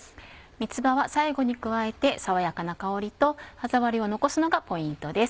三つ葉は最後に加えて爽やかな香りと歯触りを残すのがポイントです。